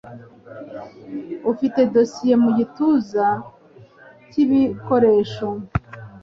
Ufite dosiye mu gatuza k'ibikoresho?